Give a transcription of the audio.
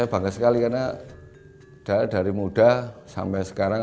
saya bangga sekali karena dari muda sampai sekarang